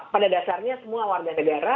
pada dasarnya semua warga negara